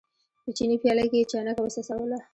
په چیني پیاله کې یې چاینکه وڅڅوله.